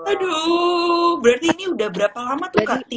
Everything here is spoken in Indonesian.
aduh berarti ini udah berapa lama tuh kang